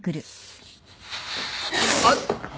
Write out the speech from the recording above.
あっ！